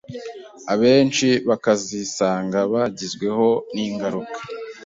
abenshi bakazisanga bagizweho n’ingaruka